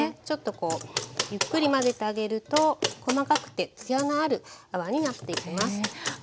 ちょっとこうゆっくり混ぜてあげると細かくてつやのある泡になっていきます。